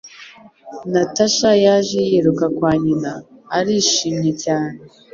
Natasha yaje yiruka kwa nyina, arishimye cyane.